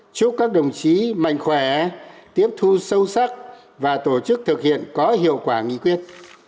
chúc các đồng chí mạnh khỏe tiếp thu sâu sắc và tổ chức thực hiện có hiệu quả nghị quyết